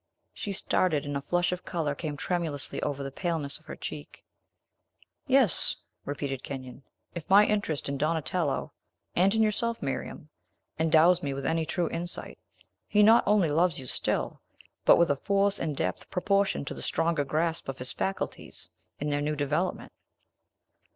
She started, and a flush of color came tremulously over the paleness of her cheek. "Yes," repeated Kenyon, "if my interest in Donatello and in yourself, Miriam endows me with any true insight, he not only loves you still, but with a force and depth proportioned to the stronger grasp of his faculties, in their new development."